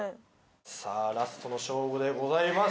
さあラストの勝負でございます。